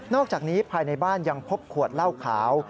อกจากนี้ภายในบ้านยังพบขวดเหล้าขาว